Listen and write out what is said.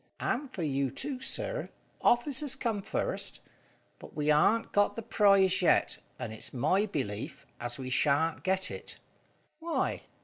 "And for you too, sir; officers comes first. But we arn't got the prize yet, and it's my belief as we shan't get it." "Why?"